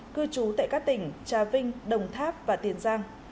cư trú tại các tỉnh trà vinh đồng tháp và tiền giang